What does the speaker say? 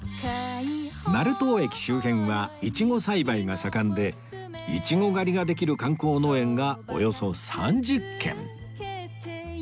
成東駅周辺はイチゴ栽培が盛んでイチゴ狩りができる観光農園がおよそ３０軒